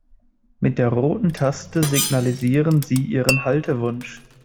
Mit der roten Taste signalisieren Sie Ihren Haltewunsch.